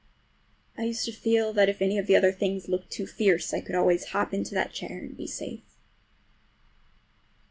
I used to feel that if any of the other things looked too fierce I could always hop into that chair and be safe.